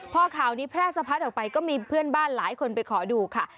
พอข่าวนี้แพร่สะพัดออกไปก็มีเพื่อนบ้านหลายคนไปขอดูค่ะ